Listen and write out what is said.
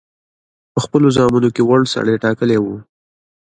په خپلو زامنو کې وړ سړی ټاکلی وو.